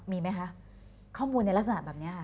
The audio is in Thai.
มีไหมคะข้อมูลในลักษณะแบบนี้ค่ะ